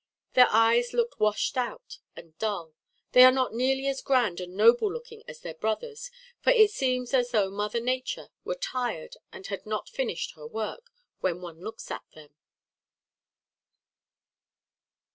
Their eyes look washed out and dull. They are not nearly as grand and noble looking as their brothers, for it seems as though Mother Nature were tired and had not finished her work, when one looks at them.